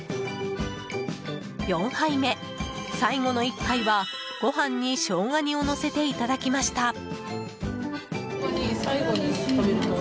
４杯目、最後の一杯はご飯にショウガ煮をのせていただきました。